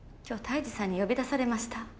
今日泰治さんに呼び出されました。